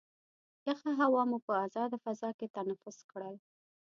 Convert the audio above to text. یخه هوا مو په ازاده فضا کې تنفس کړل.